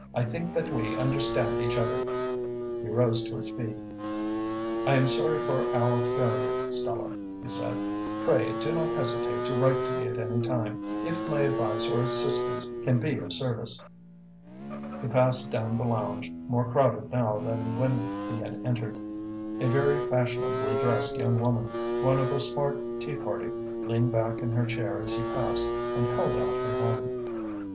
I think that we understand each other." He rose to his feet. "I am sorry for our failure, Stella," he said. "Pray do not hesitate to write to me at any time if my advice or assistance can be of service." He passed down the lounge, more crowded now than when he had entered. A very fashionably dressed young woman, one of a smart tea party, leaned back in her chair as he passed and held out her hand.